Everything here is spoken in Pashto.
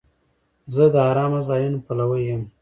زه د آرامه ځایونو پلوی یم.